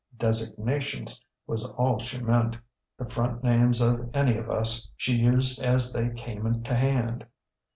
Designations was all she meant. The front names of any of us she used as they came to hand.